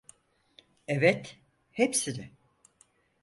Evet, hepsini.